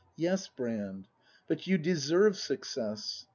Yes, Brand; but you deserve success.